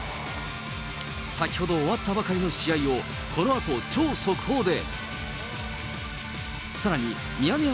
先ほど終わったばかりの試合をこのあと超速報で。